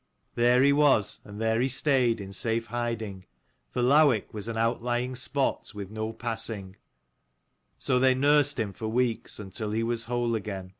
There he was and there he stayed in safe hiding, for Lowick was an out lying spot, with no passing: so they nursed him for weeks until he was whole again.